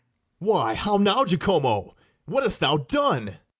BARABAS. Why, how now, Jacomo! what hast thou done?